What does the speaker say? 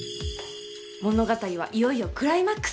物語はいよいよクライマックスへ！